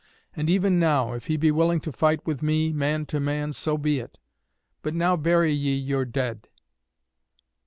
And even now, if he be willing to fight with me, man to man, so be it. But now bury ye your dead."